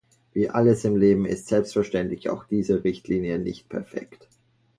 Wie alles im Leben ist selbstverständlich auch diese Richtlinie nicht perfekt.